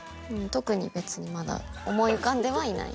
特に別にまだ思い浮かんではいない。